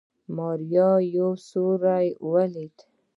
ماريا يو سيوری وليد.